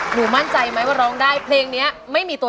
หนูเคยร้องเพลงนี้ไหมคะ